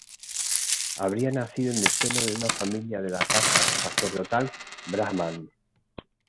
Habría nacido en el seno de una familia de la casta sacerdotal brahmán.